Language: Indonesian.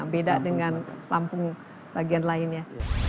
beda dengan lampung bagian lainnya